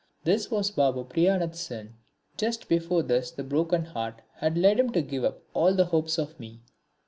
This was Babu Priyanath Sen. Just before this the Broken Heart had led him to give up all hopes of me.